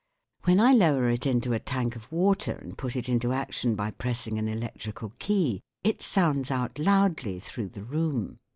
Wlim I lower it into a tank of water and put it into action by pressing an electrical key, it sounds out loudly through the room.